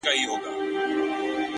ستا دهر توري په لوستلو سره!